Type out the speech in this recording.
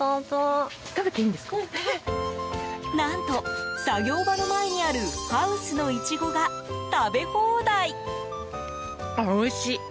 何と、作業場の前にあるハウスのイチゴが食べ放題！